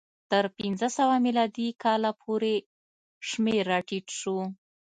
تر پنځه سوه میلادي کاله پورې شمېر راټیټ شو.